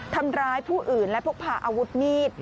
ทำร้ายผู้อื่นและพกพาอาวุธมีด